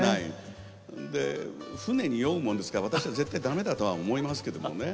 で船に酔うものですから私は絶対駄目だとは思いますけどもね。